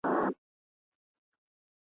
نه وېرېږې له آزاره د مرغانو .